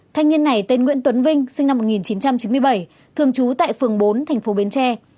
thanh niên này tên nguyễn tuấn vinh sinh năm một nghìn chín trăm chín mươi bảy thường trú tại phường bốn thành phố bến tre